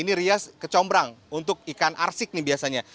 ini rias kecombrang untuk ikan arsik nih biasanya